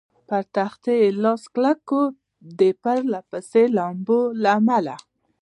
پر تختې لاس کلک کړ، د پرله پسې لامبو له امله.